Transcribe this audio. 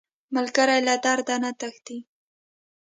ملګری له درده نه تښتي